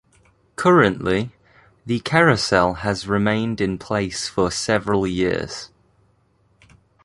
Currently, the carousel has remained in place for several years.